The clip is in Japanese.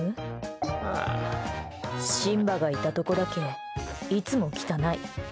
シンバがいたとこだけいつも汚い。